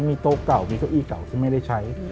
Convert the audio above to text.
มีโต๊ะเก่ามีเก้าอี้เก่าที่ไม่ได้ใช้